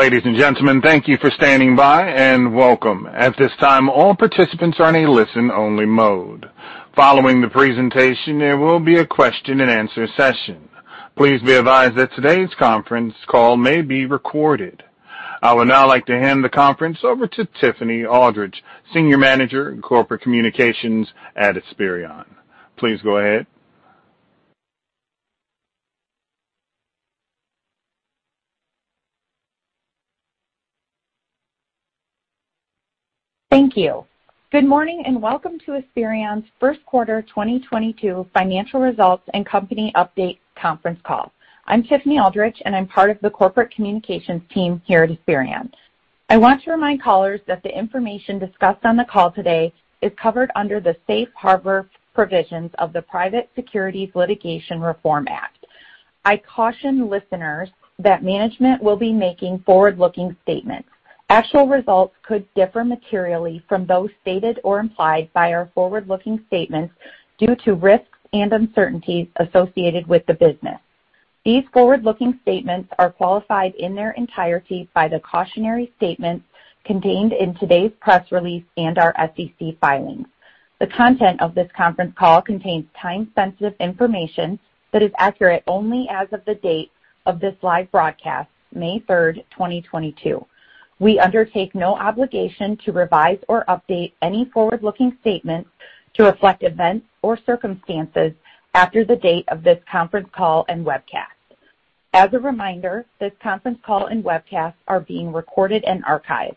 Ladies and gentlemen, thank you for standing by, and welcome. At this time, all participants are in a listen-only mode. Following the presentation, there will be a question and answer session. Please be advised that today's conference call may be recorded. I would now like to hand the conference over to Tiffany Aldridg, Senior Manager in Corporate Communications at Esperion. Please go ahead. Thank you. Good morning, and welcome to Esperion's Q1 2022 financial results and company update conference call. I'm Tiffany Aldrich, and I'm part of the corporate communications team here at Esperion. I want to remind callers that the information discussed on the call today is covered under the safe harbor provisions of the Private Securities Litigation Reform Act. I caution listeners that management will be making forward-looking statements. Actual results could differ materially from those stated or implied by our forward-looking statements due to risks and uncertainties associated with the business. These forward-looking statements are qualified in their entirety by the cautionary statements contained in today's press release and our SEC filings. The content of this conference call contains time-sensitive information that is accurate only as of the date of this live broadcast, May 3, 2022. We undertake no obligation to revise or update any forward-looking statements to reflect events or circumstances after the date of this conference call and webcast. As a reminder, this conference call and webcast are being recorded and archived.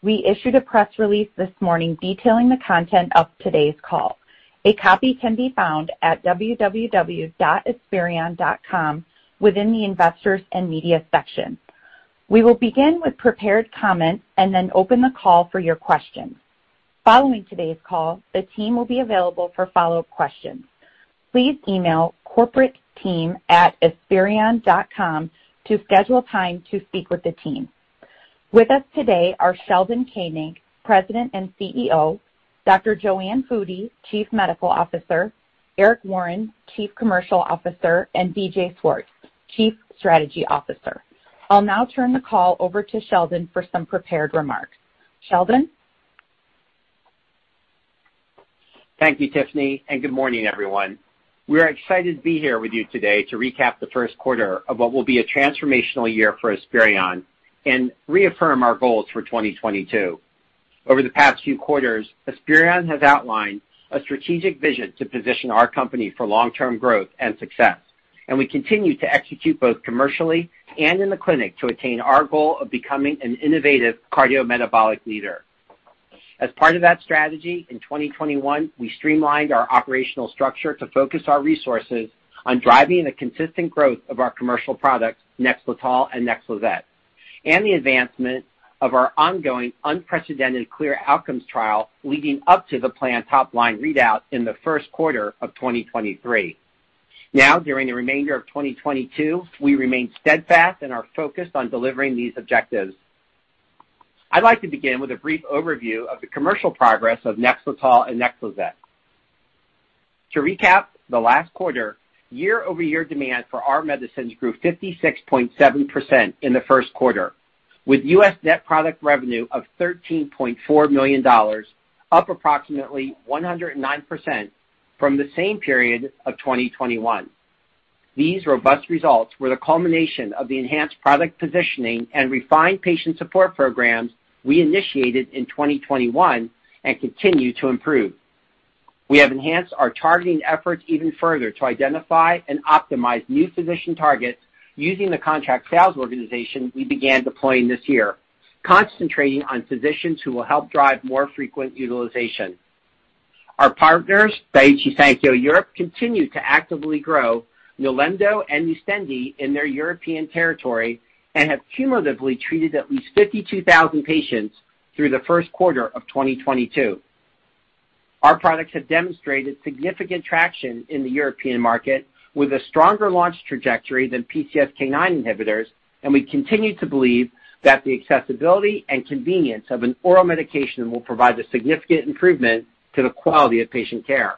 We issued a press release this morning detailing the content of today's call. A copy can be found at www.esperion.com within the investors and media section. We will begin with prepared comments and then open the call for your questions. Following today's call, the team will be available for follow-up questions. Please email corporateteam@esperion.com to schedule time to speak with the team. With us today are Sheldon Koenig, President and CEO, Dr. JoAnne Foody, Chief Medical Officer, Eric Warren, Chief Commercial Officer, and B.J. Swart, Chief Strategy Officer. I'll now turn the call over to Sheldon for some prepared remarks. Sheldon? Thank you, Tiffany, and good morning, everyone. We are excited to be here with you today to recap the Q1 of what will be a transformational year for Esperion and reaffirm our goals for 2022. Over the past few quarters, Esperion has outlined a strategic vision to position our company for long-term growth and success, and we continue to execute both commercially and in the clinic to attain our goal of becoming an innovative cardiometabolic leader. As part of that strategy, in 2021, we streamlined our operational structure to focus our resources on driving the consistent growth of our commercial products, NEXLETOL and Nexlizet, and the advancement of our ongoing unprecedented CLEAR Outcomes trial leading up to the planned top-line readout in the Q1 of 2023. Now, during the remainder of 2022, we remain steadfast and are focused on delivering these objectives. I'd like to begin with a brief overview of the commercial progress of NEXLETOL and Nexlizet. To recap the last quarter, year-over-year demand for our medicines grew 56.7% in the Q1, with US net product revenue of $13.4 million, up approximately 109% from the same period of 2021. These robust results were the culmination of the enhanced product positioning and refined patient support programs we initiated in 2021 and continue to improve. We have enhanced our targeting efforts even further to identify and optimize new physician targets using the contract sales organization we began deploying this year, concentrating on physicians who will help drive more frequent utilization. Our partners, Daiichi Sankyo Europe, continue to actively grow Nilemdo and Nustendi in their European territory and have cumulatively treated at least 52,000 patients through the Q1 of 2022. Our products have demonstrated significant traction in the European market with a stronger launch trajectory than PCSK9 inhibitors. We continue to believe that the accessibility and convenience of an oral medication will provide a significant improvement to the quality of patient care.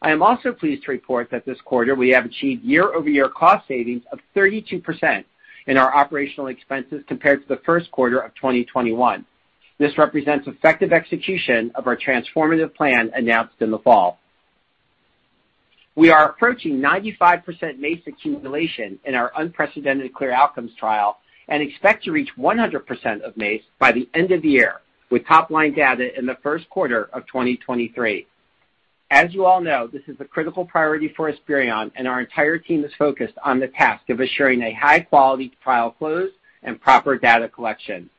I am also pleased to report that this quarter we have achieved year-over-year cost savings of 32% in our operational expenses compared to the Q1 of 2021. This represents effective execution of our transformative plan announced in the fall. We are approaching 95% MACE accumulation in our unprecedented CLEAR Outcomes trial and expect to reach 100% of MACE by the end of the year with top-line data in the Q1 of 2023. As you all know, this is a critical priority for Esperion, and our entire team is focused on the task of assuring a high-quality trial close and proper data collection.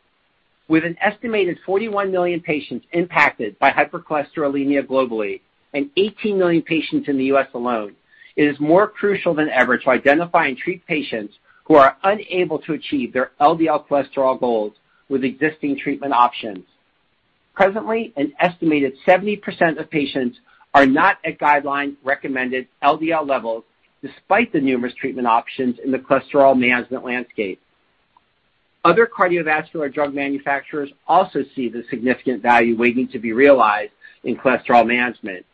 With an estimated 41 million patients impacted by hypercholesterolemia globally and 18 million patients in the U.S. alone, it is more crucial than ever to identify and treat patients who are unable to achieve their LDL cholesterol goals with existing treatment options. Presently, an estimated 70% of patients are not at guideline-recommended LDL levels despite the numerous treatment options in the cholesterol management landscape. Other cardiovascular drug manufacturers also see the significant value waiting to be realized in cholesterol management.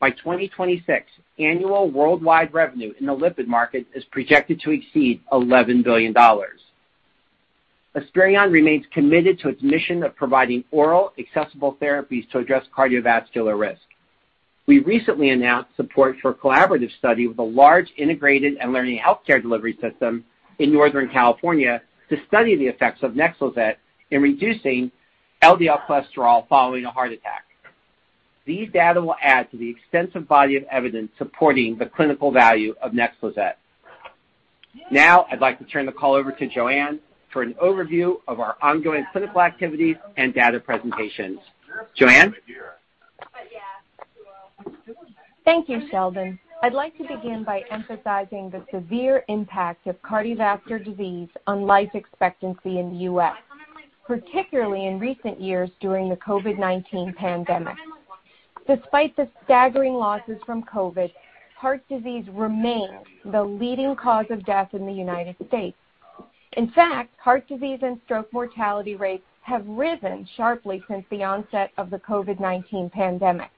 By 2026, annual worldwide revenue in the lipid market is projected to exceed $11 billion. Esperion remains committed to its mission of providing oral accessible therapies to address cardiovascular risk. We recently announced support for a collaborative study with a large integrated and learning healthcare delivery system in Northern California to study the effects of Nexlizet in reducing LDL cholesterol following a heart attack. These data will add to the extensive body of evidence supporting the clinical value of Nexlizet. Now, I'd like to turn the call over to JoAnne for an overview of our ongoing clinical activities and data presentations. JoAnne? Thank you, Sheldon. I'd like to begin by emphasizing the severe impact of cardiovascular disease on life expectancy in the U.S., particularly in recent years during the COVID-19 pandemic. Despite the staggering losses from COVID, heart disease remains the leading cause of death in the United States. In fact, heart disease and stroke mortality rates have risen sharply since the onset of the COVID-19 pandemic.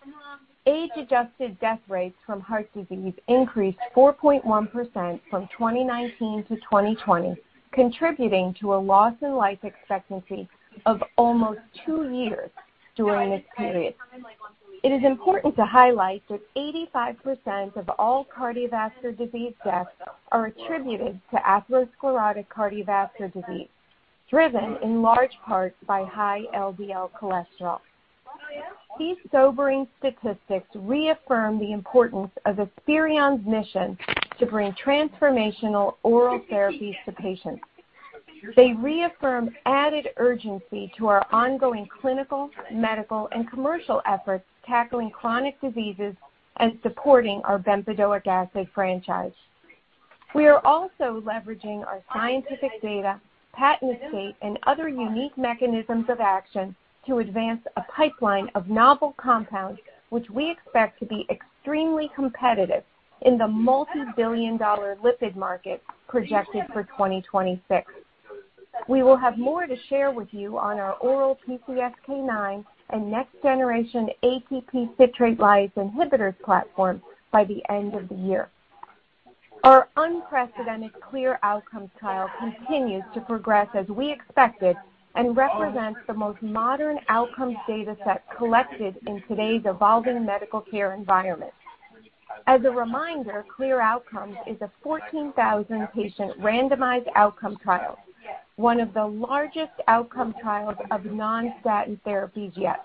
Age-adjusted death rates from heart disease increased 4.1% from 2019 to 2020, contributing to a loss in life expectancy of almost two years during this period. It is important to highlight that 85% of all cardiovascular disease deaths are attributed to atherosclerotic cardiovascular disease, driven in large part by high LDL cholesterol. These sobering statistics reaffirm the importance of Esperion's mission to bring transformational oral therapies to patients. They reaffirm added urgency to our ongoing clinical, medical, and commercial efforts tackling chronic diseases and supporting our bempedoic acid franchise. We are also leveraging our scientific data, patent estate, and other unique mechanisms of action to advance a pipeline of novel compounds, which we expect to be extremely competitive in the multi-billion-dollar lipid market projected for 2026. We will have more to share with you on our oral PCSK9 and next generation ATP citrate lyase inhibitors platform by the end of the year. Our unprecedented CLEAR Outcomes trial continues to progress as we expected and represents the most modern outcomes data set collected in today's evolving medical care environment. As a reminder, CLEAR Outcomes is a 14,000 patient randomized outcome trial, one of the largest outcome trials of non-statin therapies yet.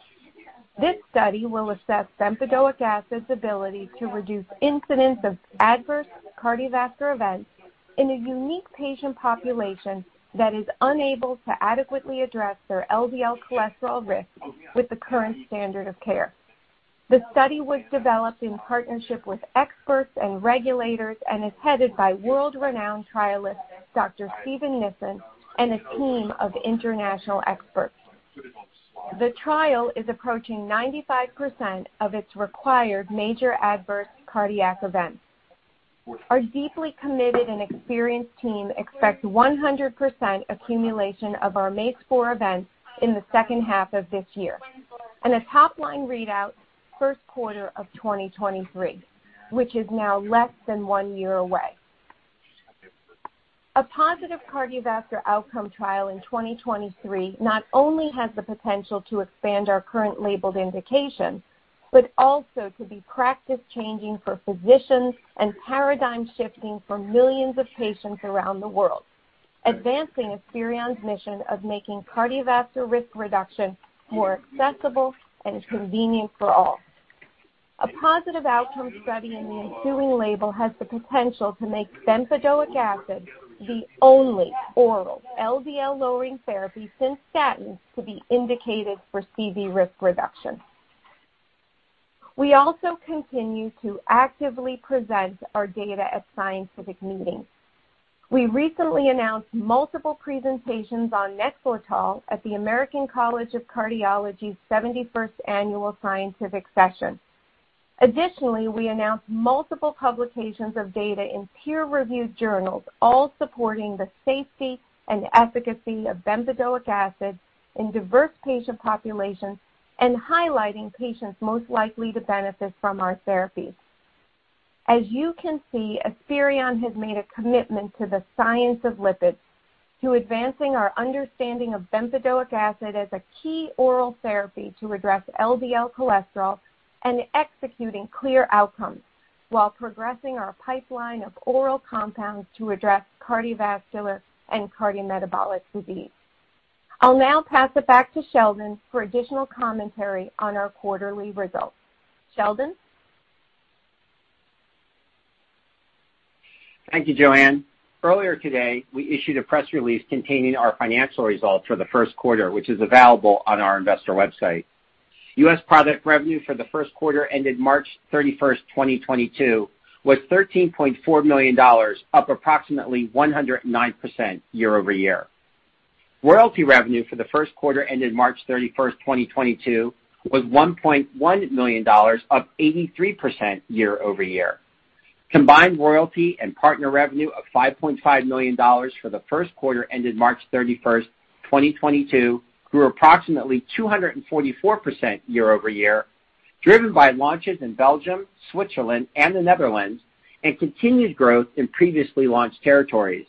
This study will assess bempedoic acid's ability to reduce incidence of adverse cardiovascular events in a unique patient population that is unable to adequately address their LDL cholesterol risk with the current standard of care. The study was developed in partnership with experts and regulators and is headed by world-renowned trialist, Dr. Steven Nissen, and a team of international experts. The trial is approaching 95% of its required major adverse cardiac events. Our deeply committed and experienced team expects 100% accumulation of our MACE events in the second half of this year, and a top-line readout Q1 of 2023, which is now less than one year away. A positive cardiovascular outcome trial in 2023 not only has the potential to expand our current labeled indication, but also to be practice-changing for physicians and paradigm-shifting for millions of patients around the world, advancing Esperion's mission of making cardiovascular risk reduction more accessible and convenient for all. A positive outcome study in the ensuing label has the potential to make bempedoic acid the only oral LDL-lowering therapy since statins to be indicated for CV risk reduction. We also continue to actively present our data at scientific meetings. We recently announced multiple presentations on NEXLETOL at the American College of Cardiology 71st annual scientific session. Additionally, we announced multiple publications of data in peer-reviewed journals, all supporting the safety and efficacy of bempedoic acid in diverse patient populations and highlighting patients most likely to benefit from our therapies. As you can see, Esperion has made a commitment to the science of lipids, to advancing our understanding of bempedoic acid as a key oral therapy to address LDL cholesterol and executing CLEAR Outcomes while progressing our pipeline of oral compounds to address cardiovascular and cardiometabolic disease. I'll now pass it back to Sheldon for additional commentary on our quarterly results. Sheldon? Thank you, JoAnne. Earlier today, we issued a press release containing our financial results for the Q1, which is available on our investor website. U.S. product revenue for the Q1 ended March 31, 2022 was $13.4 million, up approximately 109% year-over-year. Royalty revenue for the Q1 ended March 31, 2022 was $1.1 million, up 83% year-over-year. Combined royalty and partner revenue of $5.5 million for the Q1 ended March 31, 2022 grew approximately 244% year-over-year, driven by launches in Belgium, Switzerland, and the Netherlands, and continued growth in previously launched territories.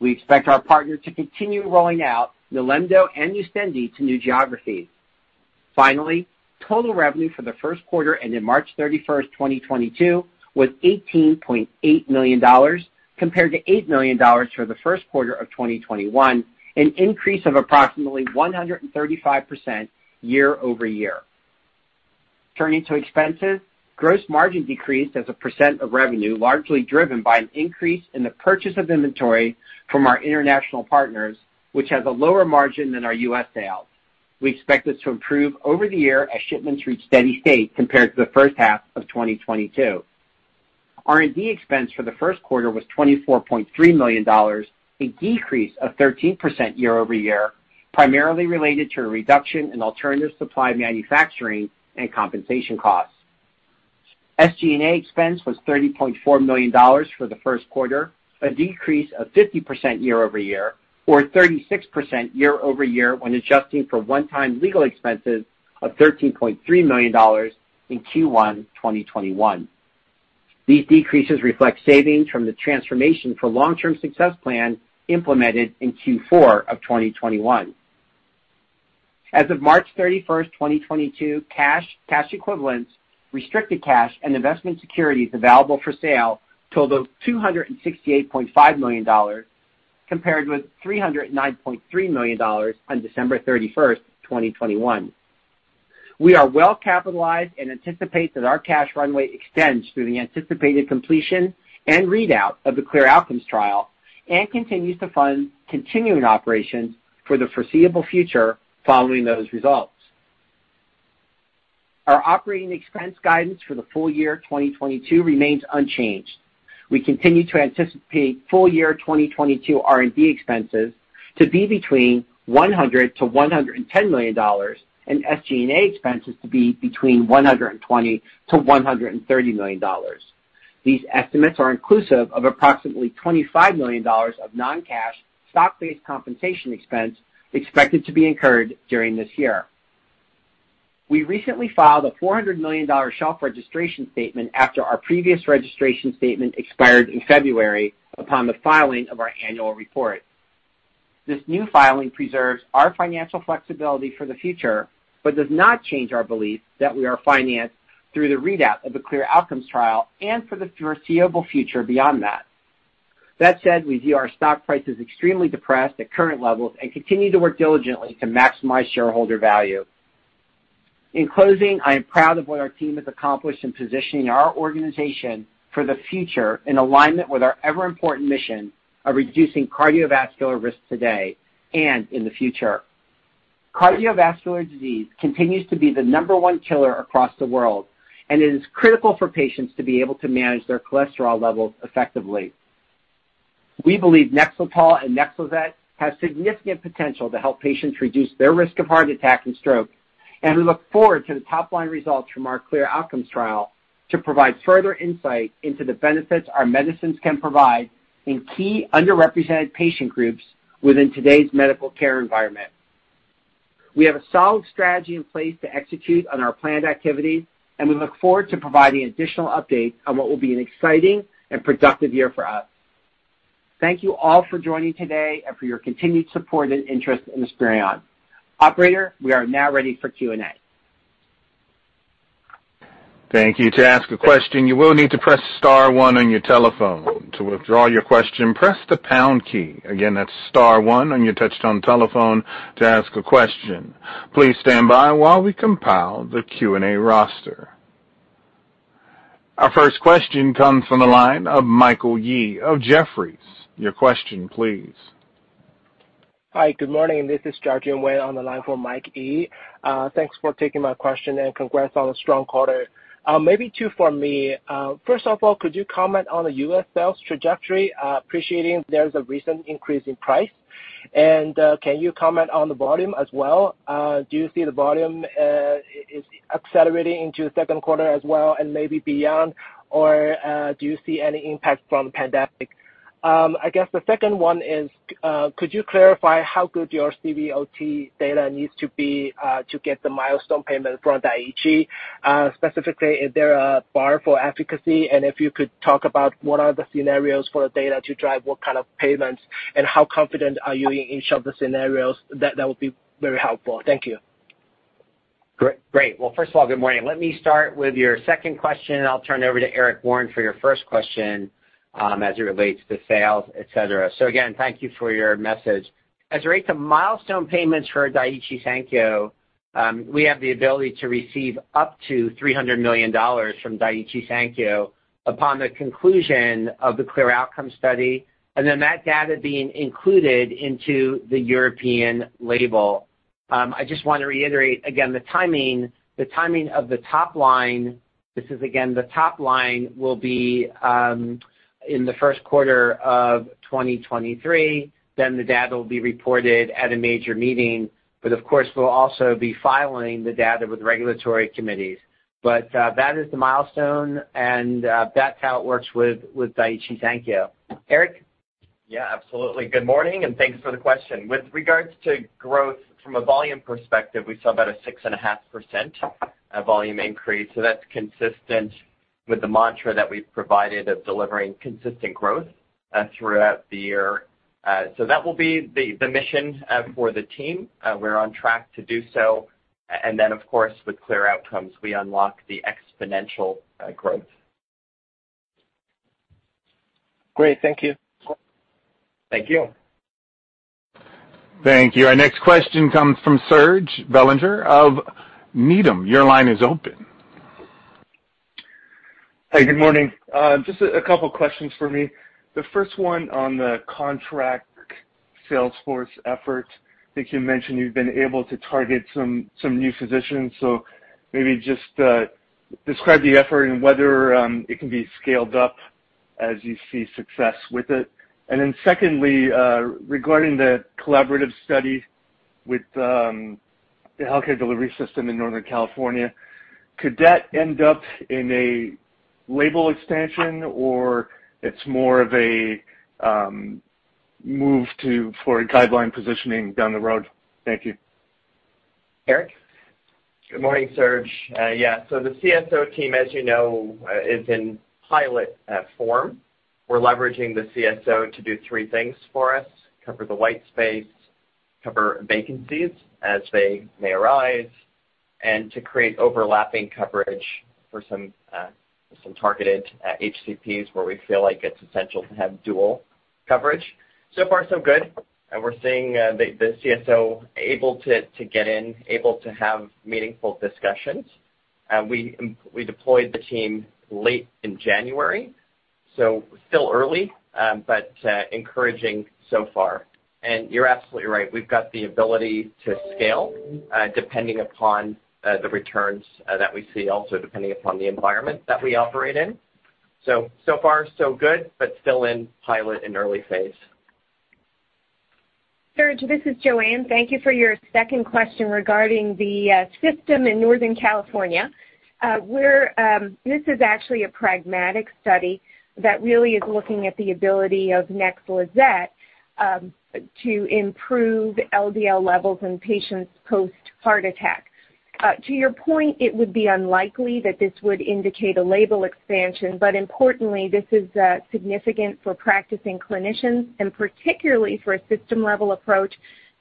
We expect our partner to continue rolling out Nilemdo and Nustendi to new geographies. Finally, total revenue for the Q1 ended March 31, 2022 was $18.8 million compared to $8 million for the Q1 of 2021, an increase of approximately 135% year-over-year. Turning to expenses. Gross margin decreased as a percent of revenue, largely driven by an increase in the purchase of inventory from our international partners, which has a lower margin than our US sales. We expect this to improve over the year as shipments reach steady state compared to the first half of 2022. R&D expense for the Q1 was $24.3 million, a decrease of 13% year-over-year, primarily related to a reduction in alternative supply, manufacturing and compensation costs. SG&A expense was $30.4 million for the Q1, a decrease of 50% year over year, or 36% year over year when adjusting for one-time legal expenses of $13.3 million in Q1 2021. These decreases reflect savings from the transformation for long-term success plan implemented in Q4 of 2021. As of March 31, 2022, cash equivalents, restricted cash and investment securities available for sale totaled $268.5 million, compared with $309.3 million on December 31, 2021. We are well capitalized and anticipate that our cash runway extends through the anticipated completion and readout of the CLEAR Outcomes trial and continues to fund continuing operations for the foreseeable future following those results. Our operating expense guidance for the full year 2022 remains unchanged. We continue to anticipate full year 2022 R&D expenses to be between $100-$110 million, and SG&A expenses to be between $120-$130 million. These estimates are inclusive of approximately $25 million of non-cash stock-based compensation expense expected to be incurred during this year. We recently filed a $400 million shelf registration statement after our previous registration statement expired in February upon the filing of our annual report. This new filing preserves our financial flexibility for the future, but does not change our belief that we are financed through the readout of the CLEAR Outcomes trial and for the foreseeable future beyond that. That said, we view our stock price as extremely depressed at current levels and continue to work diligently to maximize shareholder value. In closing, I am proud of what our team has accomplished in positioning our organization for the future in alignment with our ever important mission of reducing cardiovascular risk today and in the future. Cardiovascular disease continues to be the number one killer across the world, and it is critical for patients to be able to manage their cholesterol levels effectively. We believe NEXLETOL and Nexlizet have significant potential to help patients reduce their risk of heart attack and stroke. We look forward to the top line results from our CLEAR Outcomes trial to provide further insight into the benefits our medicines can provide in key underrepresented patient groups within today's medical care environment. We have a solid strategy in place to execute on our planned activities, and we look forward to providing additional updates on what will be an exciting and productive year for us. Thank you all for joining today and for your continued support and interest in Esperion. Operator, we are now ready for Q&A. Thank you. To ask a question, you will need to press star one on your telephone. To withdraw your question, press the pound key. Again, that's star one on your touchtone telephone to ask a question. Please stand by while we compile the Q&A roster. Our first question comes from the line of Michael Yee of Jefferies. Your question please. Hi. Good morning. This is Jiajun Wen on the line for Mike Yee. Thanks for taking my question and congrats on a strong quarter. Maybe two for me. First of all, could you comment on the U.S. sales trajectory, appreciating there's a recent increase in price? Can you comment on the volume as well? Do you see the volume is accelerating into Q2 as well and maybe beyond? Or do you see any impact from the pandemic? I guess the second one is, could you clarify how good your CVOT data needs to be, to get the milestone payment from Daiichi? Specifically, is there a bar for efficacy? If you could talk about what are the scenarios for the data to drive, what kind of payments and how confident are you in each of the scenarios, that would be very helpful. Thank you. Great. Well, first of all, good morning. Let me start with your second question, and I'll turn it over to Eric Warren for your first question, as it relates to sales, et cetera. Again, thank you for your message. As it relates to milestone payments for Daiichi Sankyo, we have the ability to receive up to $300 million from Daiichi Sankyo upon the conclusion of the CLEAR Outcomes study and then that data being included into the European label. I just want to reiterate again the timing. The timing of the top line, this is again, the top line, will be in the Q1 of 2023. Then the data will be reported at a major meeting. Of course, we'll also be filing the data with regulatory committees. That is the milestone and that's how it works with Daiichi Sankyo. Eric? Yeah, absolutely. Good morning, and thanks for the question. With regards to growth from a volume perspective, we saw about a 6.5% volume increase. That's consistent with the mantra that we've provided of delivering consistent growth throughout the year. That will be the mission for the team. We're on track to do so. Of course, with CLEAR Outcomes, we unlock the exponential growth. Great. Thank you. Thank you. Thank you. Our next question comes from Serge Belanger of Needham. Your line is open. Hi, good morning. Just a couple questions for me. The first one on the contract sales force effort. I think you mentioned you've been able to target some new physicians. Maybe just describe the effort and whether it can be scaled up as you see success with it. Secondly, regarding the collaborative study with the healthcare delivery system in Northern California, could that end up in a label expansion or it's more of a move for a guideline positioning down the road? Thank you. Eric? Good morning, Serge. Yeah. The CSO team, as you know, is in pilot form. We're leveraging the CSO to do three things for us, cover the white space, cover vacancies as they may arise, and to create overlapping coverage for some targeted HCPs where we feel like it's essential to have dual coverage. So far, so good. We're seeing the CSO able to get in, able to have meaningful discussions. We deployed the team late in January, so still early, but encouraging so far. You're absolutely right. We've got the ability to scale, depending upon the returns that we see, also depending upon the environment that we operate in. So far, so good, but still in pilot and early phase. Serge, this is JoAnne. Thank you for your second question regarding the system in Northern California. This is actually a pragmatic study that really is looking at the ability of Nexlizet to improve LDL levels in patients post-heart attack. To your point, it would be unlikely that this would indicate a label expansion, but importantly, this is significant for practicing clinicians and particularly for a system-level approach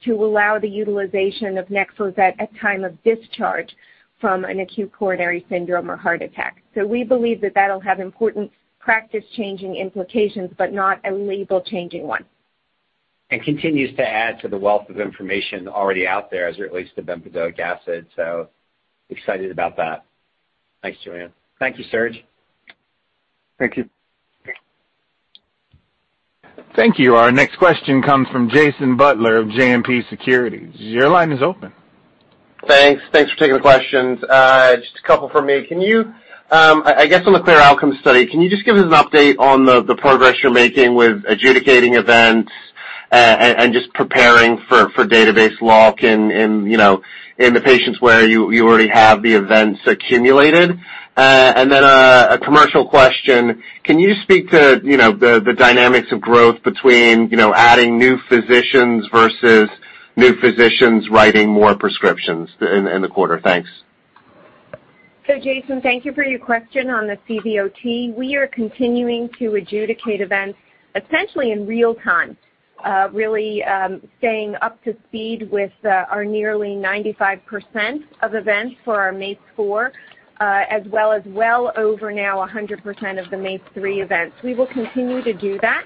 to allow the utilization of Nexlizet at time of discharge from an acute coronary syndrome or heart attack. We believe that that'll have important practice-changing implications, but not a label-changing one. Continues to add to the wealth of information already out there as it relates to bempedoic acid. Excited about that. Thanks, JoAnne. Thank you, Serge. Thank you. Thank you. Our next question comes from Jason Butler of JMP Securities. Your line is open. Thanks. Thanks for taking the questions. Just a couple from me. Can you, I guess on the CLEAR Outcomes study, can you just give us an update on the progress you're making with adjudicating events, and just preparing for database lock in you know in the patients where you already have the events accumulated? Then, a commercial question. Can you speak to you know the dynamics of growth between you know adding new physicians versus new physicians writing more prescriptions in the quarter? Thanks. Jason, thank you for your question on the CVOT. We are continuing to adjudicate events essentially in real time, really, staying up to speed with our nearly 95% of events for our MACE-4, as well as well over now a 100% of the MACE-3 events. We will continue to do that.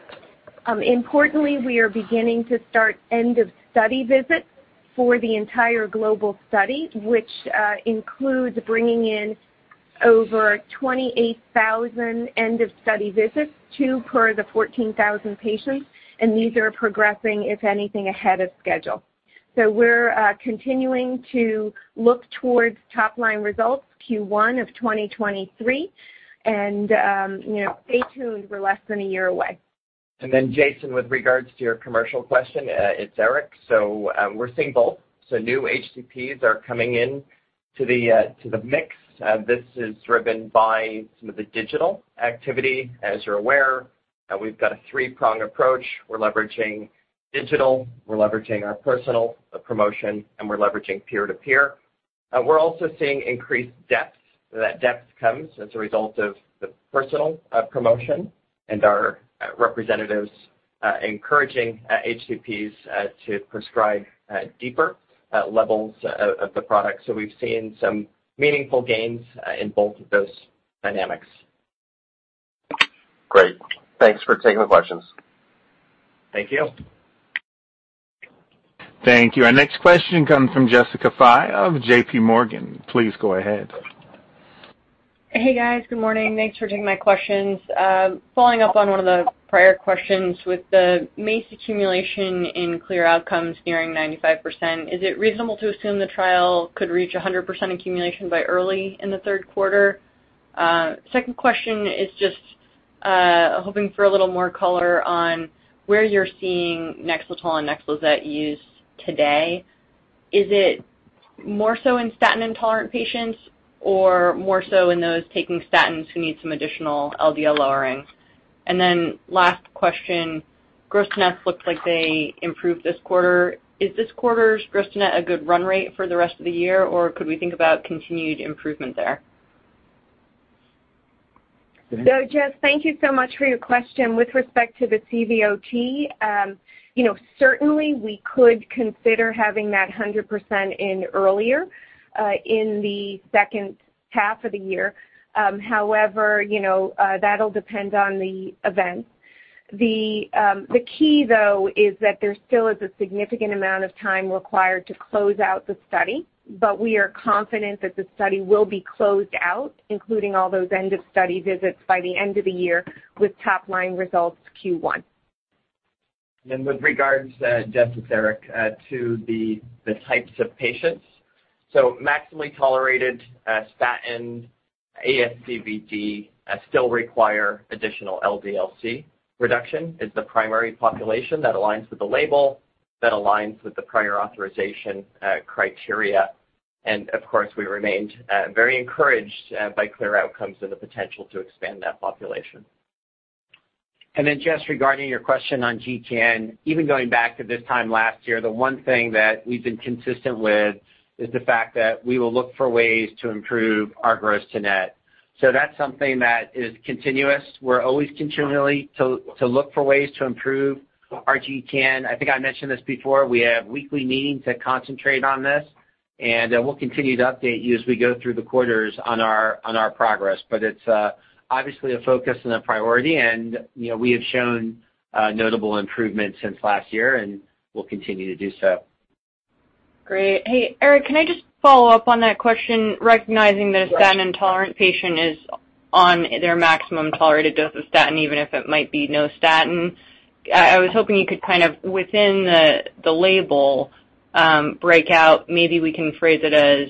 Importantly, we are beginning to start end of study visits for the entire global study, which includes bringing in over 28,000 end of study visits, two per the 14,000 patients. These are progressing, if anything, ahead of schedule. We're continuing to look towards top-line results Q1 of 2023. You know, stay tuned. We're less than a year away. Then Jason, with regards to your commercial question, it's Eric. We're seeing both. New HCPs are coming in to the mix. This is driven by some of the digital activity. As you're aware, we've got a three-pronged approach. We're leveraging digital, we're leveraging our personal promotion, and we're leveraging peer-to-peer. We're also seeing increased depth. That depth comes as a result of the personal promotion and our representatives encouraging HCPs to prescribe deeper levels of the product. We've seen some meaningful gains in both of those dynamics. Great. Thanks for taking the questions. Thank you. Thank you. Our next question comes from Jessica Fye of J.P. Morgan. Please go ahead. Hey, guys. Good morning. Thanks for taking my questions. Following up on one of the prior questions with the MACE accumulation in CLEAR Outcomes nearing 95%, is it reasonable to assume the trial could reach 100% accumulation by early in the Q3? Second question is just hoping for a little more color on where you're seeing NEXLETOL and Nexlizet used today. Is it- More so in statin-intolerant patients or more so in those taking statins who need some additional LDL lowering? Last question. Gross-to-nets looks like they improved this quarter. Is this quarter's gross-to-net a good run rate for the rest of the year, or could we think about continued improvement there? Jess, thank you so much for your question. With respect to the CVOT, you know, certainly we could consider having that 100% in earlier, in the second half of the year. However, you know, that'll depend on the events. The key, though, is that there still is a significant amount of time required to close out the study, but we are confident that the study will be closed out, including all those end of study visits by the end of the year, with top-line results Q1. With regards, Jess with Eric, to the types of patients. Maximally tolerated statin ASCVD still require additional LDL-C reduction is the primary population that aligns with the label, that aligns with the prior authorization criteria. Of course, we remained very encouraged by CLEAR Outcomes and the potential to expand that population. Then, Jess, regarding your question on GTN, even going back to this time last year, the one thing that we've been consistent with is the fact that we will look for ways to improve our gross to net. That's something that is continuous. We're always continually to look for ways to improve our GTN. I think I mentioned this before. We have weekly meetings that concentrate on this, and we'll continue to update you as we go through the quarters on our progress. It's obviously a focus and a priority and, you know, we have shown notable improvements since last year, and we'll continue to do so. Great. Hey, Eric, can I just follow up on that question, recognizing that a statin-intolerant patient is on their maximum tolerated dose of statin, even if it might be no statin? I was hoping you could kind of, within the label, break out, maybe we can phrase it as,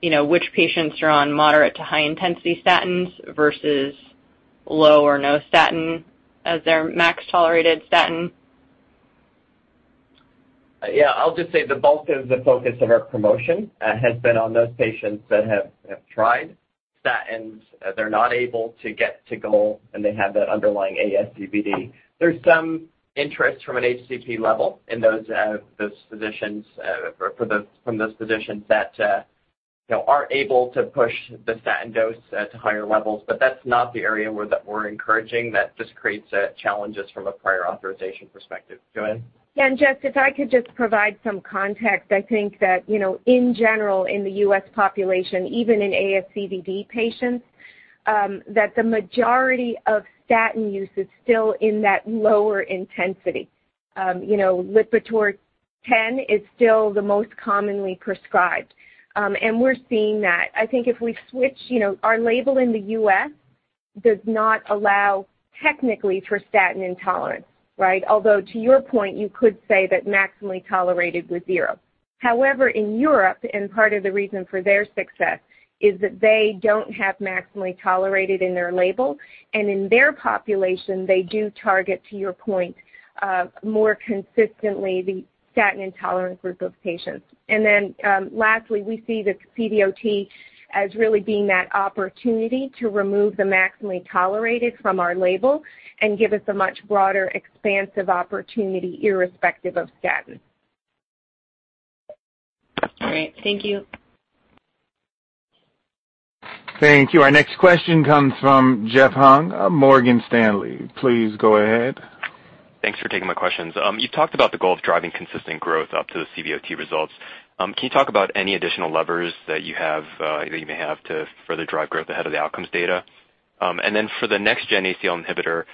you know, which patients are on moderate to high intensity statins versus low or no statin as their max tolerated statin. Yeah. I'll just say the bulk of the focus of our promotion has been on those patients that have tried statins. They're not able to get to goal, and they have that underlying ASCVD. There's some interest from an HCP level in those physicians, or from those physicians that you know are able to push the statin dose to higher levels. But that's not the area where that we're encouraging. That just creates challenges from a prior authorization perspective. Go ahead. Yeah. Jess, if I could just provide some context. I think that, you know, in general, in the U.S. population, even in ASCVD patients, that the majority of statin use is still in that lower intensity. You know, Lipitor 10 is still the most commonly prescribed. We're seeing that. I think if we switch, you know, our label in the U.S. does not allow technically for statin intolerance, right? Although to your point, you could say that maximally tolerated with zero. However, in Europe, and part of the reason for their success, is that they don't have maximally tolerated in their label. In their population, they do target, to your point, more consistently the statin intolerant group of patients. Lastly, we see the CVOT as really being that opportunity to remove the maximally tolerated from our label and give us a much broader expansive opportunity irrespective of statin. All right. Thank you. Thank you. Our next question comes from Jeffrey Hung, Morgan Stanley. Please go ahead. Thanks for taking my questions. You talked about the goal of driving consistent growth up to the CVOT results. Can you talk about any additional levers that you have, that you may have to further drive growth ahead of the outcomes data? For the next-gen ACL inhibitor,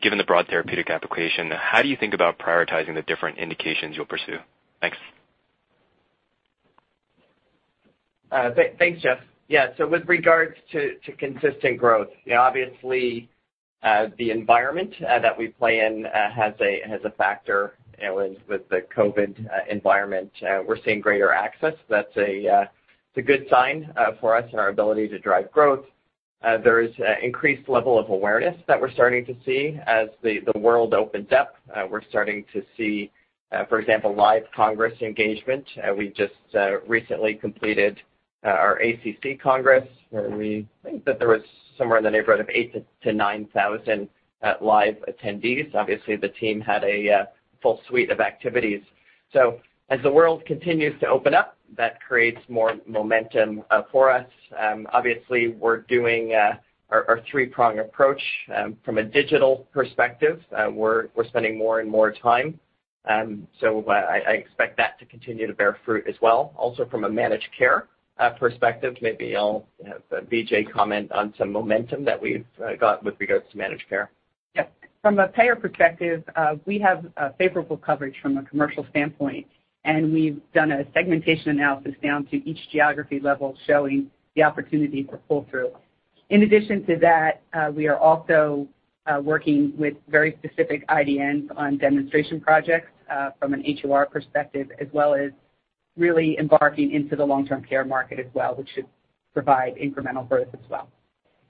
given the broad therapeutic application, how do you think about prioritizing the different indications you'll pursue? Thanks. Thanks, Jeff. Yeah. With regards to consistent growth, you know, obviously, the environment that we play in has a factor. You know, with the COVID environment, we're seeing greater access. That's a good sign for us and our ability to drive growth. There is increased level of awareness that we're starting to see as the world opens up. We're starting to see, for example, live congress engagement. We just recently completed our ACC Congress, where we think that there was somewhere in the neighborhood of 8-9,000 live attendees. Obviously, the team had a full suite of activities. As the world continues to open up, that creates more momentum for us. Obviously we're doing our three-prong approach from a digital perspective. We're spending more and more time. I expect that to continue to bear fruit as well. Also from a managed care perspective, maybe I'll have BJ comment on some momentum that we've got with regards to managed care. Yeah. From a payer perspective, we have a favorable coverage from a commercial standpoint, and we've done a segmentation analysis down to each geography level showing the opportunity for pull-through. In addition to that, we are also working with very specific IDNs on demonstration projects from an HEOR perspective, as well as really embarking into the long-term care market as well, which should provide incremental growth as well.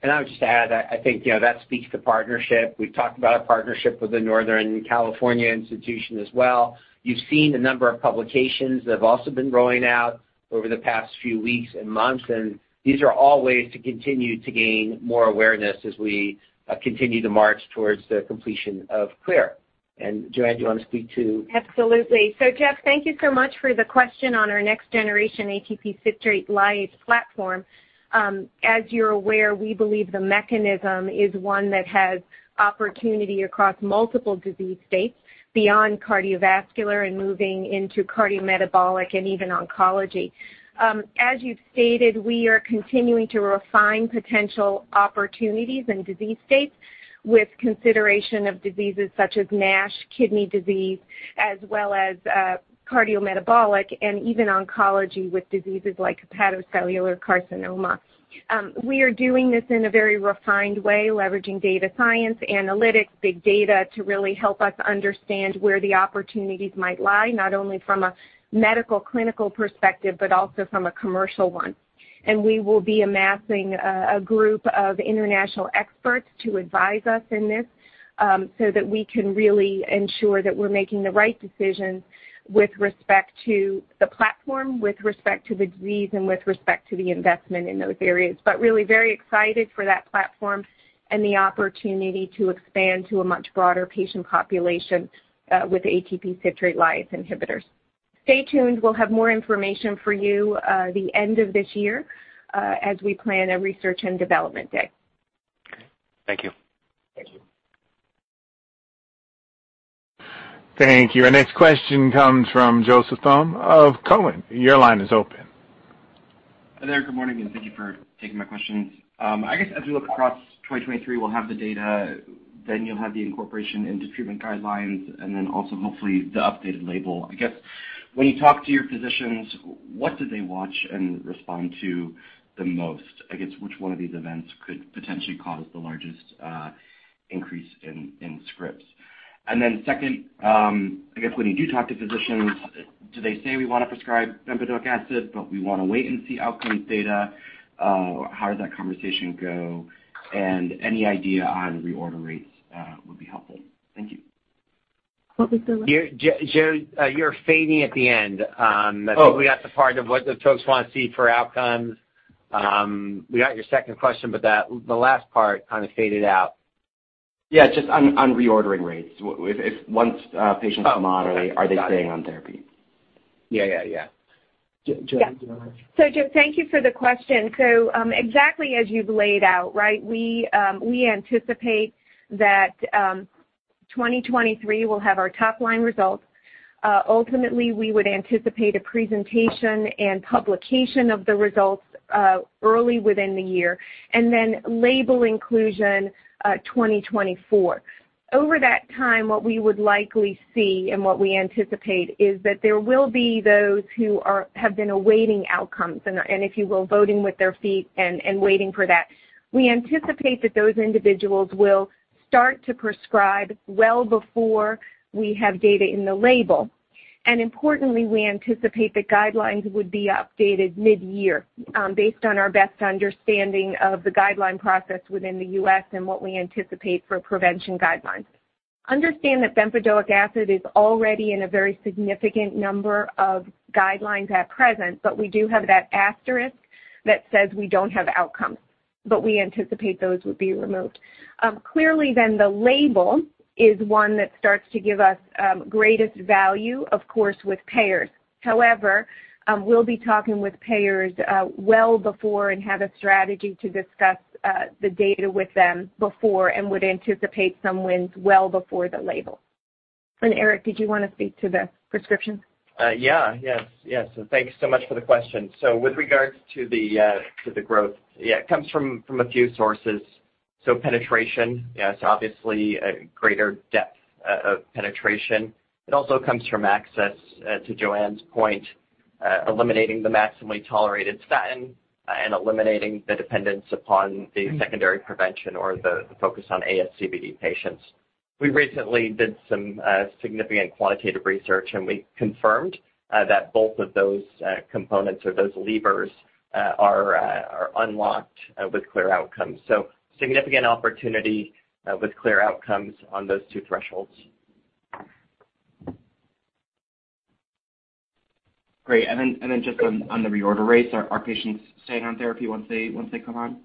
I would just add, I think, you know, that speaks to partnership. We've talked about our partnership with the Northern California Institution as well. You've seen the number of publications that have also been rolling out over the past few weeks and months, and these are all ways to continue to gain more awareness as we continue to march towards the completion of CLEAR. JoAnne, do you wanna speak to- Absolutely. Jeff, thank you so much for the question on our next generation ATP citrate lyase platform. As you're aware, we believe the mechanism is one that has opportunity across multiple disease states beyond cardiovascular and moving into cardiometabolic and even oncology. As you've stated, we are continuing to refine potential opportunities in disease states with consideration of diseases such as NASH, kidney disease, as well as, cardiometabolic and even oncology with diseases like hepatocellular carcinoma. We are doing this in a very refined way, leveraging data science, analytics, big data, to really help us understand where the opportunities might lie, not only from a medical clinical perspective, but also from a commercial one. We will be amassing a group of international experts to advise us in this, so that we can really ensure that we're making the right decisions with respect to the platform, with respect to the disease, and with respect to the investment in those areas. We are really very excited for that platform and the opportunity to expand to a much broader patient population with ATP citrate lyase inhibitors. Stay tuned, we'll have more information for you the end of this year, as we plan a research and development day. Okay. Thank you. Thank you. Thank you. Our next question comes from Joseph Thome of Cowen. Your line is open. Hi there. Good morning, and thank you for taking my questions. I guess as we look across 2023, we'll have the data, then you'll have the incorporation into treatment guidelines and then also hopefully the updated label. I guess, when you talk to your physicians, what do they watch and respond to the most? I guess which one of these events could potentially cause the largest increase in scripts? Second, I guess when you do talk to physicians, do they say we wanna prescribe bempedoic acid, but we wanna wait and see outcomes data? How does that conversation go? Any idea on reorder rates would be helpful. Thank you. What was the last- Joe, you're fading at the end. Oh. I think we got the part of what the folks wanna see for outcomes. We got your second question, but that the last part kind of faded out. Yeah, just on reordering rates. If once patients come on, are they staying on therapy? Yeah. JoAnne, do you wanna- Yeah. Joe, thank you for the question. Exactly as you've laid out, right, we anticipate that 2023 will have our top-line results. Ultimately, we would anticipate a presentation and publication of the results early within the year and then label inclusion 2024. Over that time, what we would likely see and what we anticipate is that there will be those who have been awaiting outcomes and, if you will, voting with their feet and waiting for that. We anticipate that those individuals will start to prescribe well before we have data in the label. Importantly, we anticipate the guidelines would be updated midyear, based on our best understanding of the guideline process within the U.S. and what we anticipate for prevention guidelines. Understand that bempedoic acid is already in a very significant number of guidelines at present, but we do have that asterisk that says we don't have outcomes, but we anticipate those would be removed. Clearly then the label is one that starts to give us greatest value, of course, with payers. However, we'll be talking with payers well before and have a strategy to discuss the data with them before and would anticipate some wins well before the label. Eric, did you wanna speak to the prescription? Thanks so much for the question. With regards to the growth, it comes from a few sources. Penetration, yes, obviously a greater depth of penetration. It also comes from access, to JoAnne's point, eliminating the maximally tolerated statin and eliminating the dependence upon the secondary prevention or the focus on ASCVD patients. We recently did some significant quantitative research, and we confirmed that both of those components or those levers are unlocked with CLEAR Outcomes. Significant opportunity with CLEAR Outcomes on those two thresholds. Great. Then just on the reorder rates, are patients staying on therapy once they come on?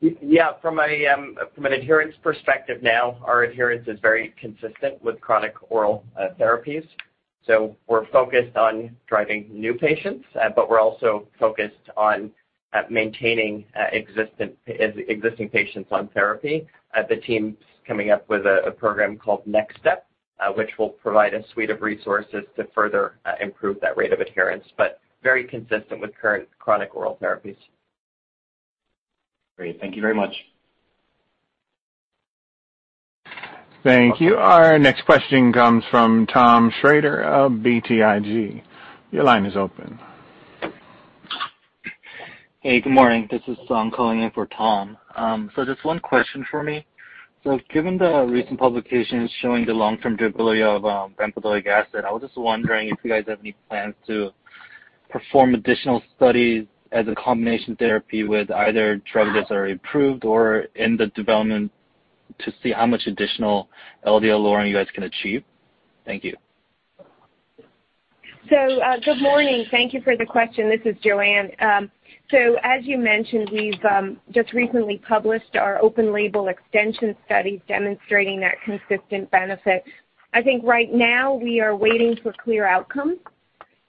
Yeah. From an adherence perspective now, our adherence is very consistent with chronic oral therapies. We're focused on driving new patients, but we're also focused on maintaining existing patients on therapy. The team's coming up with a program called Next Step, which will provide a suite of resources to further improve that rate of adherence, but very consistent with current chronic oral therapies. Great. Thank you very much. Thank you. Our next question comes from Thomas Shrader of BTIG. Your line is open. Hey, good morning. This is Sam calling in for Tom. Just one question for me. Given the recent publications showing the long-term durability of bempedoic acid, I was just wondering if you guys have any plans to perform additional studies as a combination therapy with either drugs that are approved or in development to see how much additional LDL lowering you guys can achieve? Thank you. Good morning. Thank you for the question. This is JoAnne. As you mentioned, we've just recently published our open label extension study demonstrating that consistent benefit. I think right now we are waiting for CLEAR Outcomes,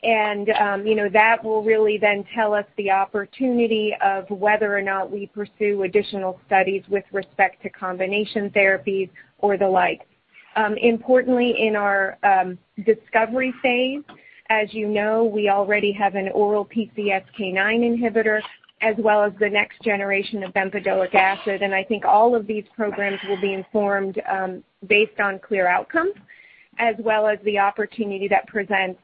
and you know, that will really then tell us the opportunity of whether or not we pursue additional studies with respect to combination therapies or the like. Importantly in our discovery phase, as you know, we already have an oral PCSK9 inhibitor as well as the next generation of bempedoic acid, and I think all of these programs will be informed based on CLEAR Outcomes as well as the opportunity that presents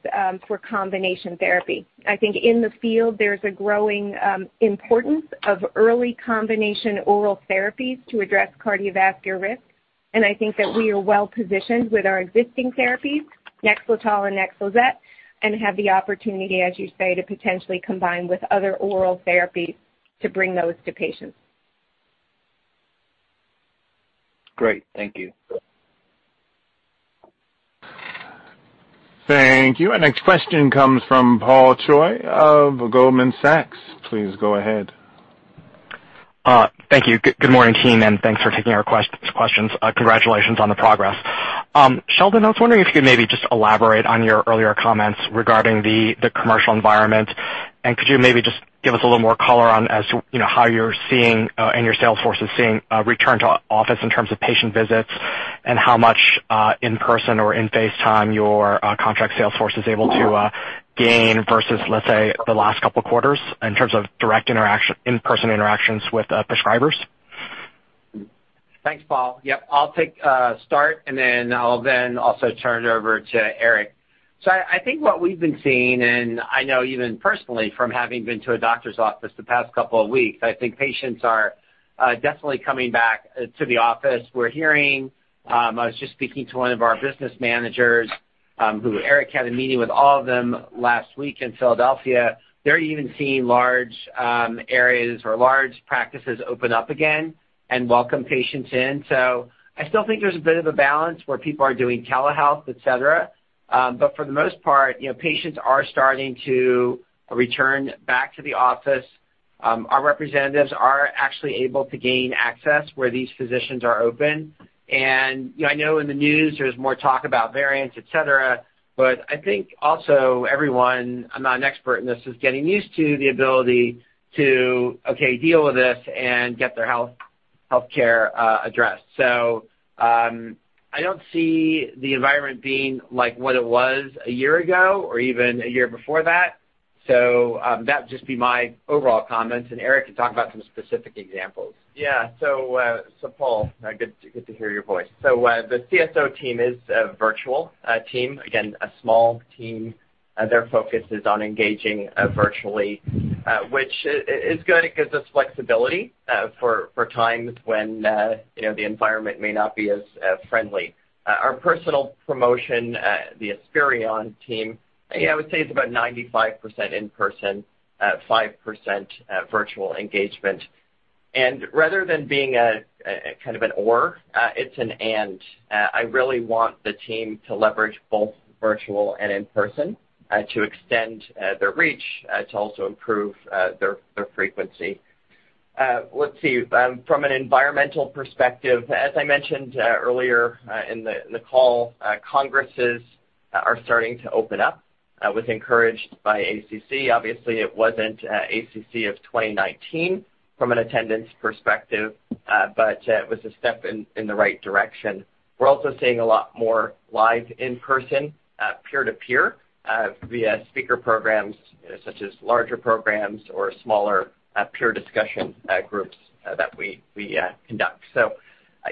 for combination therapy. I think in the field there's a growing importance of early combination oral therapies to address cardiovascular risk, and I think that we are well-positioned with our existing therapies, NEXLETOL and Nexlizet, and have the opportunity, as you say, to potentially combine with other oral therapies to bring those to patients. Great. Thank you. Thank you. Our next question comes from Paul Choi of Goldman Sachs. Please go ahead. Thank you. Good morning team, and thanks for taking our questions. Congratulations on the progress. Sheldon, I was wondering if you could maybe just elaborate on your earlier comments regarding the commercial environment. Could you maybe just give us a little more color on as to, you know, how you're seeing and your sales force is seeing a return to office in terms of patient visits and how much in person or in face time your contract sales force is able to gain versus, let's say, the last couple quarters in terms of direct interaction, in-person interactions with prescribers? Thanks, Paul. Yep, I'll start, and then I'll also turn it over to Eric. I think what we've been seeing, and I know even personally from having been to a doctor's office the past couple of weeks. I think patients are definitely coming back to the office. We're hearing, I was just speaking to one of our business managers, who Eric had a meeting with all of them last week in Philadelphia. They're even seeing large areas or large practices open up again and welcome patients in. I still think there's a bit of a balance where people are doing telehealth, et cetera. For the most part, you know, patients are starting to return back to the office. Our representatives are actually able to gain access where these physicians are open. You know, I know in the news there's more talk about variants, et cetera, but I think also everyone, I'm not an expert in this, is getting used to the ability to, okay, deal with this and get their healthcare addressed. I don't see the environment being like what it was a year ago or even a year before that. That would just be my overall comments, and Eric can talk about some specific examples. Yeah. Paul, good to hear your voice. The CSO team is a virtual team, again, a small team. Their focus is on engaging virtually, which is good. It gives us flexibility for times when, you know, the environment may not be as friendly. Our in-person promotion, the Esperion team, you know, I would say it's about 95% in person, 5% virtual engagement. Rather than being a kind of an or, it's an and. I really want the team to leverage both virtual and in-person to extend their reach to also improve their frequency. Let's see. From an environmental perspective, as I mentioned earlier, in the call, congresses are starting to open up. I was encouraged by ACC. Obviously, it wasn't ACC of 2019 from an attendance perspective, but it was a step in the right direction. We're also seeing a lot more live in-person peer-to-peer via speaker programs such as larger programs or smaller peer discussion groups that we conduct.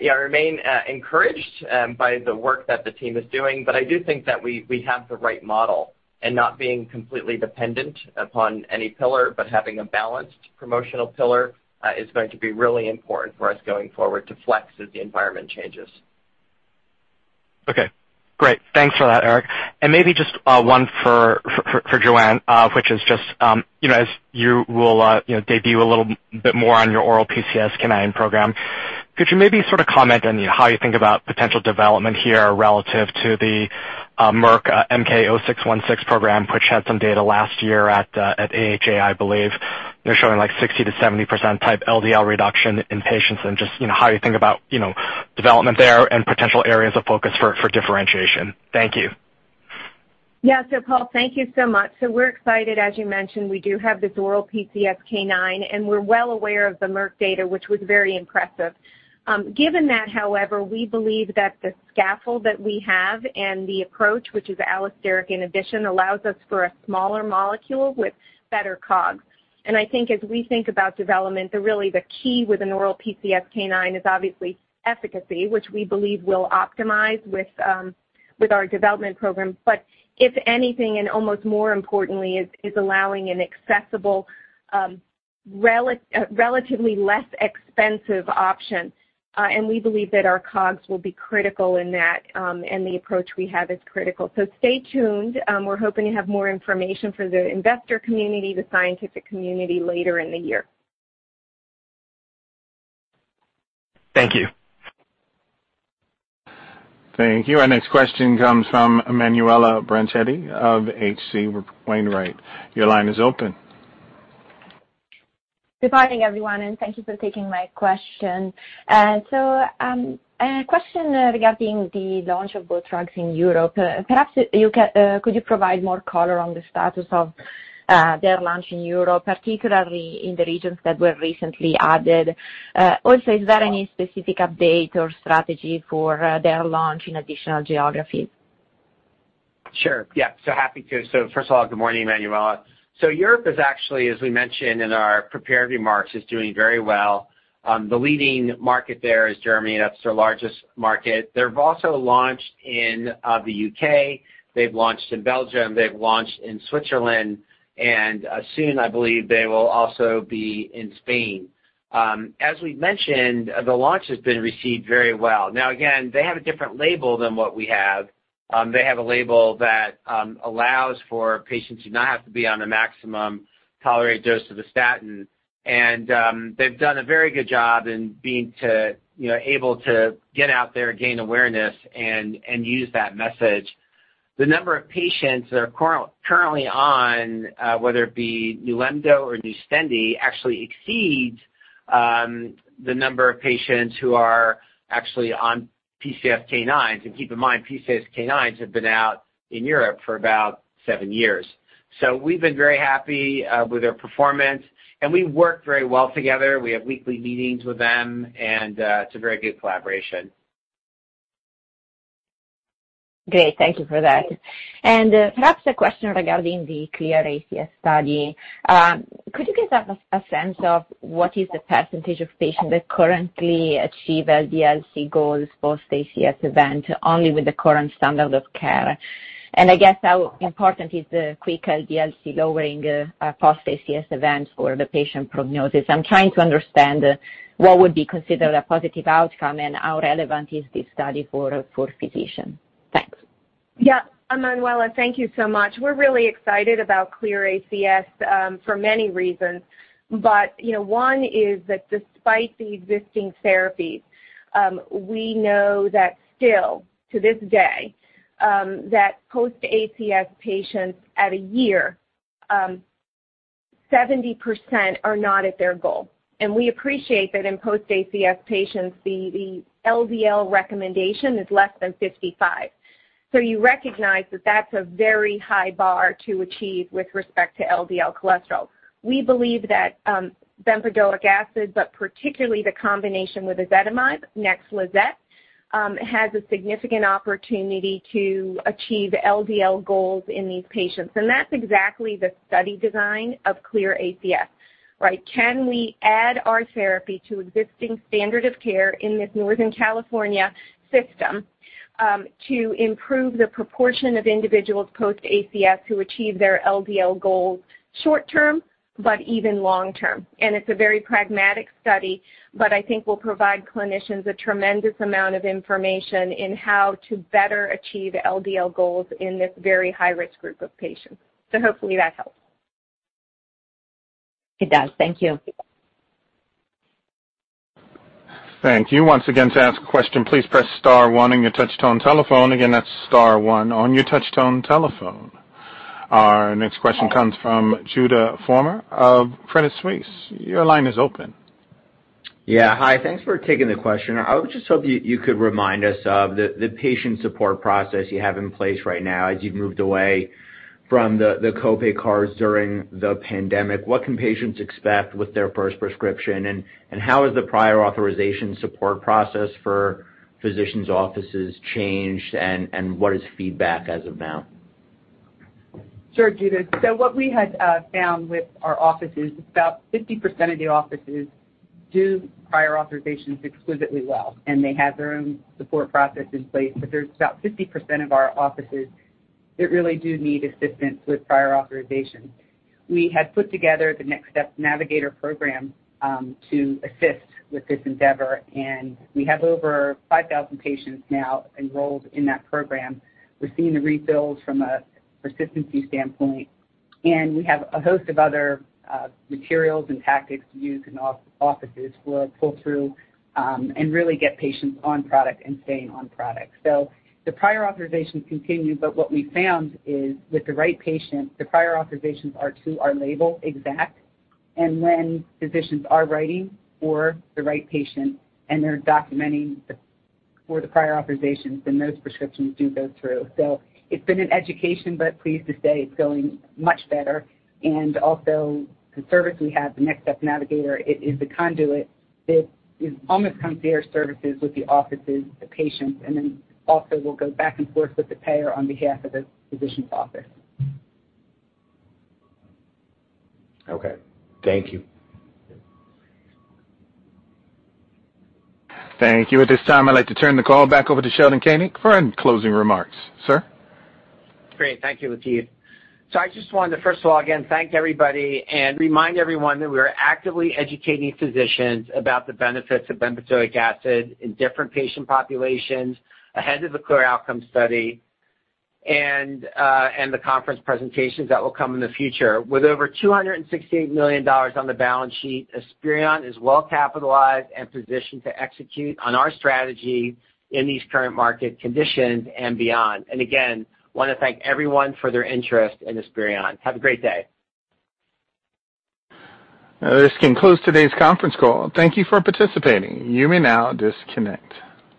Yeah, I remain encouraged by the work that the team is doing, but I do think that we have the right model and not being completely dependent upon any pillar, but having a balanced promotional pillar is going to be really important for us going forward to flex as the environment changes. Okay, great. Thanks for that, Eric. Maybe just one for Joanne, which is just, you know, as you will, you know, debut a little bit more on your oral PCSK9 program. Could you maybe sort of comment on how you think about potential development here relative to the Merck MK-0616 program, which had some data last year at AHA, I believe? They're showing, like, 60%-70% type LDL reduction in patients and just, you know, how you think about, you know, development there and potential areas of focus for differentiation. Thank you. Yeah. Paul, thank you so much. We're excited. As you mentioned, we do have this oral PCSK9, and we're well aware of the Merck data, which was very impressive. Given that, however, we believe that the scaffold that we have and the approach, which is allosteric inhibition, allows us for a smaller molecule with better COGS. I think as we think about development, really the key with an oral PCSK9 is obviously efficacy, which we believe will optimize with our development program. If anything, and almost more importantly, is allowing an accessible, relatively less expensive options. We believe that our COGS will be critical in that, and the approach we have is critical. Stay tuned. We're hoping to have more information for the investor community, the scientific community later in the year. Thank you. Thank you. Our next question comes from Emanuela Branchetti of H.C. Wainwright. Your line is open. Good morning, everyone, and thank you for taking my question. A question regarding the launch of both drugs in Europe. Could you provide more color on the status of their launch in Europe, particularly in the regions that were recently added? Also, is there any specific update or strategy for their launch in additional geographies? Sure, yeah. Happy to. First of all, good morning, Emanuela. Europe is actually, as we mentioned in our prepared remarks, doing very well. The leading market there is Germany, that's their largest market. They've also launched in the UK, they've launched in Belgium, they've launched in Switzerland, and soon, I believe they will also be in Spain. As we've mentioned, the launch has been received very well. Now, again, they have a different label than what we have. They have a label that allows for patients to not have to be on the maximum tolerated dose of a statin. They've done a very good job in being able to, you know, get out there, gain awareness and use that message. The number of patients that are currently on, whether it be Nilemdo or Nustendi, actually exceeds the number of patients who are actually on PCSK9s. Keep in mind, PCSK9s have been out in Europe for about seven years. We've been very happy with their performance, and we work very well together. We have weekly meetings with them, and it's a very good collaboration. Great. Thank you for that. Perhaps a question regarding the CLEAR ACS study. Could you give us a sense of what is the percentage of patients that currently achieve LDL-C goals post-ACS event only with the current standard of care? I guess how important is the quick LDL-C lowering post-ACS events for the patient prognosis? I'm trying to understand what would be considered a positive outcome and how relevant is this study for physicians. Thanks. Yeah. Emanuela, thank you so much. We're really excited about CLEAR ACS for many reasons. You know, one is that despite the existing therapies, we know that still to this day, that post-ACS patients at a year, 70% are not at their goal. We appreciate that in post-ACS patients, the LDL recommendation is less than 55. You recognize that that's a very high bar to achieve with respect to LDL cholesterol. We believe that, bempedoic acid, but particularly the combination with ezetimibe, Nexlizet, has a significant opportunity to achieve LDL goals in these patients. That's exactly the study design of CLEAR ACS, right? Can we add our therapy to existing standard of care in this Northern California system, to improve the proportion of individuals post-ACS who achieve their LDL goals short-term, but even long-term? It's a very pragmatic study, but I think will provide clinicians a tremendous amount of information in how to better achieve LDL goals in this very high-risk group of patients. Hopefully that helps. It does. Thank you. Thank you. Once again, to ask a question, please press star one on your touch tone telephone. Again, that's star one on your touch tone telephone. Our next question comes from Judah Frommer of Credit Suisse. Your line is open. Yeah. Hi. Thanks for taking the question. I was just hoping you could remind us of the patient support process you have in place right now as you've moved away from the co-pay cards during the pandemic. What can patients expect with their first prescription? How is the prior authorization support process for physicians' offices changed, and what is feedback as of now? Sure, Judah. What we had found with our offices, about 50% of the offices do prior authorizations exquisitely well, and they have their own support process in place. There's about 50% of our offices that really do need assistance with prior authorization. We had put together the Next Step Navigator program to assist with this endeavor, and we have over 5,000 patients now enrolled in that program. We're seeing the refills from a persistency standpoint, and we have a host of other materials and tactics used in our offices for pull-through, and really get patients on product and staying on product. The prior authorizations continue, but what we found is with the right patient, the prior authorizations are true to our label exactly. When physicians are writing for the right patient and they're documenting for the prior authorizations, then those prescriptions do go through. It's been an education, but pleased to say it's going much better. The service we have, the NextStep Navigator, it is a conduit that is almost concierge services with the offices, the patients, and then also will go back and forth with the payer on behalf of the physician's office. Okay. Thank you. Thank you. At this time, I'd like to turn the call back over to Sheldon Koenig for any closing remarks. Sir? Great. Thank you, Latif. I just wanted to, first of all, again, thank everybody and remind everyone that we are actively educating physicians about the benefits of bempedoic acid in different patient populations ahead of the CLEAR Outcomes study and the conference presentations that will come in the future. With over $268 million on the balance sheet, Esperion is well capitalized and positioned to execute on our strategy in these current market conditions and beyond. Again, wanna thank everyone for their interest in Esperion. Have a great day. This concludes today's conference call. Thank you for participating. You may now disconnect.